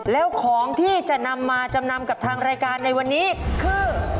แล้วของที่จะนำมาจำนำกับทางรายการในวันนี้คือ